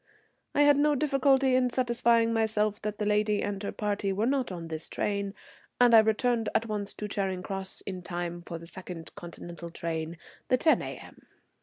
I had no difficulty in satisfying myself that the lady and her party were not in this train, and I returned at once to Charing Cross in time for the second Continental train, the 10 A.M.